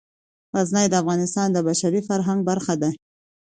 غزني د افغانستان د بشري فرهنګ برخه ده.